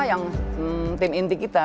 yang tim inti kita